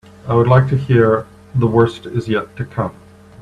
I would like to hear The Worst Is Yet To Come.